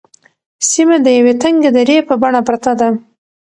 سیمه د یوې تنگې درې په بڼه پرته ده.